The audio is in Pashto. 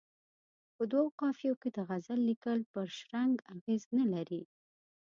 په دوو قافیو کې د غزل لیکل پر شرنګ اغېز نه لري.